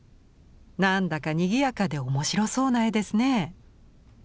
何だかにぎやかで面白そうな絵ですね。